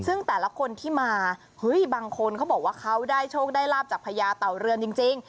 ซึ่งแต่ละคนที่มาเฮ้ยบางคนเขาบอกว่าเขาได้โชคได้ลาบจากพญาเต่าเรือนจริง